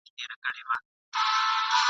حتی غزل، چي هر بیت یې، !.